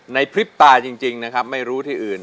ในพริบตาจริงไม่รู้ที่อื่น